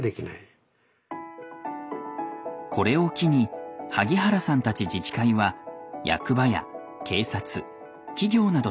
これを機に萩原さんたち自治会は役場や警察企業などと連携。